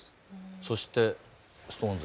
そしてＳｉｘＴＯＮＥＳ